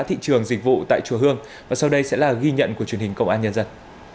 thị trường dịch vụ tại chùa hương và sau đây sẽ là ghi nhận của truyền hình công an nhân dân